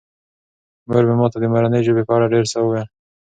مور مې ماته د مورنۍ ژبې په اړه ډېر څه وویل.